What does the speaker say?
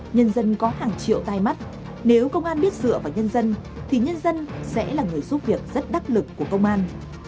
nhân dân có hàng triệu tay mắt nếu công an biết dựa vào nhân dân thì nhân dân sẽ là người giúp việc rất đắc lực của công an